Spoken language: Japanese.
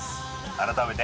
改めて